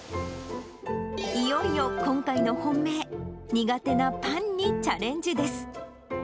いよいよ今回の本命、苦手なパンにチャレンジです。